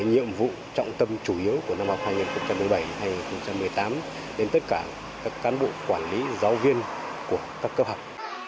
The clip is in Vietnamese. nhiệm vụ trọng tâm chủ yếu của năm học hai nghìn một mươi bảy hai nghìn một mươi tám đến tất cả các cán bộ quản lý giáo viên của các cấp học